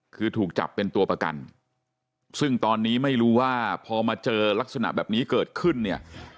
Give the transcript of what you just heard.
คือถูกจับเป็นตัวประกันซึ่งตอนนี้ไม่รู้ว่าพอมาเจอลักษณะแบบนี้เกิดขึ้นเนี่ย